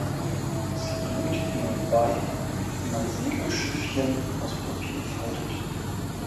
Sie bringt ihnen bei, wie man Segelschiffchen aus Papier faltet.